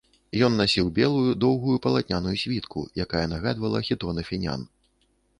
Ён насіў белую доўгую палатняную світку, якая нагадвала хітон афінян.